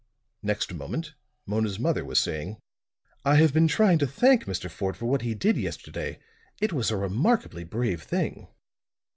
Next moment Mona's mother was saying: "I have been trying to thank Mr. Fort for what he did yesterday. It was a remarkably brave thing!"